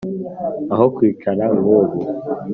aho kwicara nk’ubu